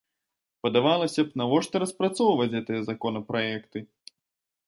Падавалася б, навошта распрацоўваць гэтыя законапраекты?